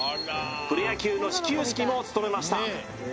プロ野球の始球式も務めました